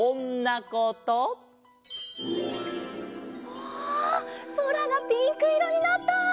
わあそらがピンクいろになった！